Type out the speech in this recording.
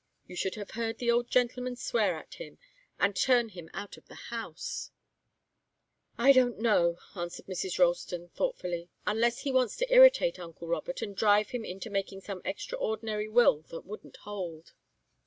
You should have heard the old gentleman swear at him, and turn him out of the house!" "I don't know," answered Mrs. Ralston, thoughtfully, "unless he wants to irritate uncle Robert, and drive him into making some extraordinary will that wouldn't hold.